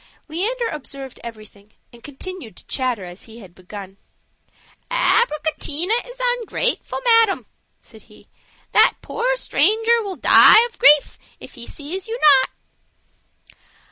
Leander observed everything, and continued to chatter as he had begun. "Abricotina is ungrateful, madam," said he; "that poor stranger will die for grief if he sees you not."